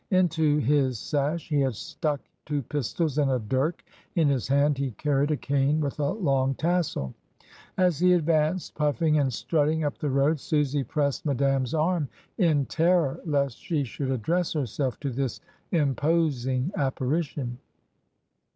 Into his sash he had stuck two pistols and a dirk, in his hand he carried a cane with a long tassel. As he advanced puffing and strutting up the road, Susy pressed Madame's arm, in terror lest she should address herself to this imposing apparition.